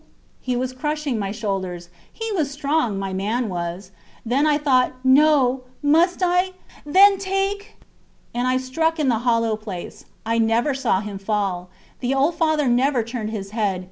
He was crushing my shoulders. He was strong, my man was! Then I thought: No! ... Must I? ... Then take! and I struck in the hollow place. I never saw him fall. ... The old father never turned his head.